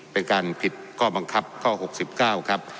เป็นการผิดข้อบังคับข้อ๖๙ครับ